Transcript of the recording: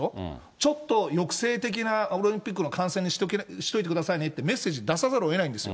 ちょっと抑制的なオリンピックの観戦にしておいてくださいねっていう、メッセージ出さざるをえないんですよ。